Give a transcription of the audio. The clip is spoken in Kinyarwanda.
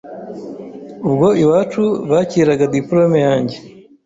Ubwo iwacu bakiraga diplôme yanjye